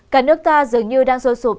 cả nước ta dường như đang sôi sụp